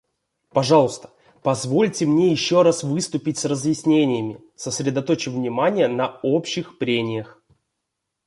Пожалуйста, позвольте мне еще раз выступить с разъяснениями, сосредоточив внимание на общих прениях.